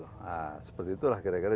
nah seperti itulah kira kira